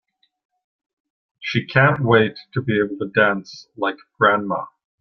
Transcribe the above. She can't wait to be able to dance like grandma!